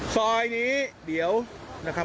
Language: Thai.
ซอยนี้เดี๋ยวนะครับ